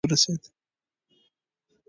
بیا په کښتۍ کې د هند ښار کلکتې ته ورسېد.